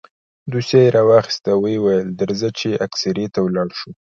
دوسيه يې راواخيسته ويې ويل درځه چې اكسرې ته ولاړ شو.